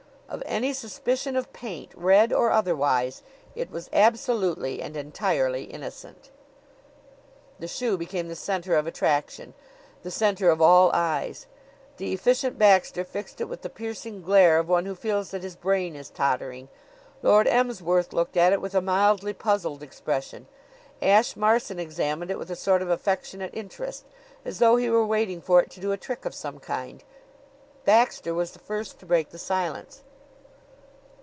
Of any suspicion of paint, red or otherwise, it was absolutely and entirely innocent! The shoe became the center of attraction, the center of all eyes. The Efficient Baxter fixed it with the piercing glare of one who feels that his brain is tottering. Lord Emsworth looked at it with a mildly puzzled expression. Ashe Marson examined it with a sort of affectionate interest, as though he were waiting for it to do a trick of some kind. Baxter was the first to break the silence.